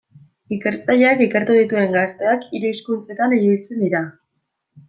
Ikertzaileak ikertu dituen gazteak hiru hizkuntzetan ibiltzen dira.